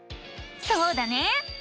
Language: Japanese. そうだね！